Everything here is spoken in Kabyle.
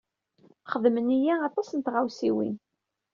Xedmen-iyi aṭas n tɣawsiwin.